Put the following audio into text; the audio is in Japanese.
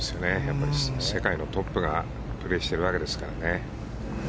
世界のトップがプレーしているわけですから。